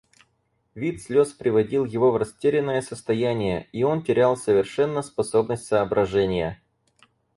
Вид слез приводил его в растерянное состояние, и он терял совершенно способность соображения.